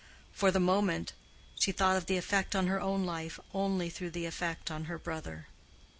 For the moment she thought of the effect on her own life only through the effect on her brother.